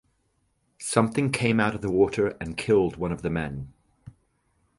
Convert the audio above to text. Something came out of the water and killed one of the men.